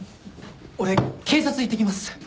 俺警察行ってきます。